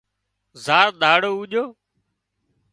زار ۮاڙو اُوڄو